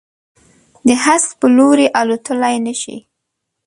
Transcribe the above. د هسک په لوري، الوتللای نه شي